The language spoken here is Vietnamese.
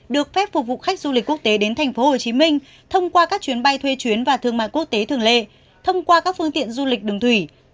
được phép phục vụ khách du lịch quốc tế đến tp hcm thông qua các chuyến bay thuê chuyến và thương mại quốc tế thường lệ thông qua các phương tiện du lịch đường thủy